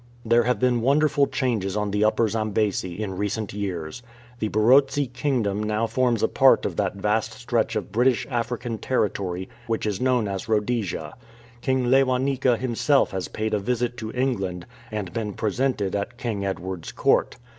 There have been wonderful changes on the Upper Zambesi in recent years. The Barotse kingdom now forms a part of that vast stretch of British African territory which is known as Rhodesia. King Lewanika himself has paid a visit to England and been presented at King Edward''s Court.